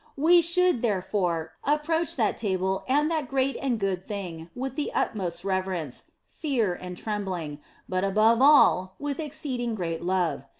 We should, therefore, approach that table and that great and good thing with the utmost reverence, fear, and trembling, but above all, with exceeding great love.